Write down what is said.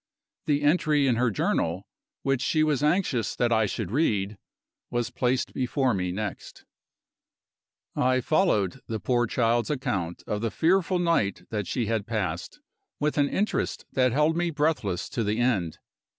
The entry in her Journal, which she was anxious that I should read, was placed before me next. I followed the poor child's account of the fearful night that she had passed, with an interest that held me breathless to the end.